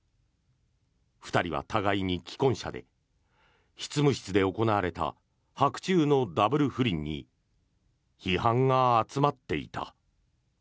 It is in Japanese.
２人は互いに既婚者で執務室で行われた白昼のダブル不倫に批判が集まっていた。